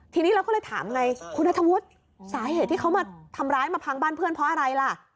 ทีนี้เราก็เลยถามไงคุณนัทธวุฒิสาเหตุที่เขามาทำร้ายมาพังบ้านเพื่อนเพราะอะไรล่ะ